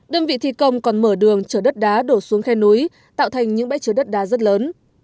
đơn vị thi công còn mở đường chở đất đá đổ xuống khe núi tạo thành những bãi chở đất đá rất lớn